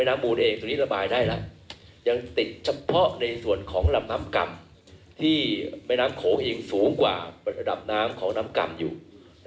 ลมมรสุมตะวันตกเฉียงใต้ที่พัดปกครุมทะเลอันดามัน